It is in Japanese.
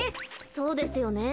そうですよね。